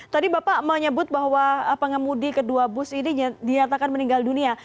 tadi bapak menyebut bahwa pengemudi kedua bus ini dinyatakan meninggal dunia